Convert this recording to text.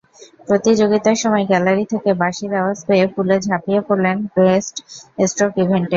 প্রতিযোগিতার সময় গ্যালারি থেকে বাঁশির আওয়াজ পেয়ে পুলে ঝাঁপিয়ে পড়লেন ব্রেস্টস্ট্রোক ইভেন্টে।